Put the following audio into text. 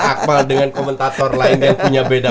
akmal dengan komentator lain yang punya beda